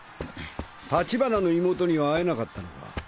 立花の妹には会えなかったのか？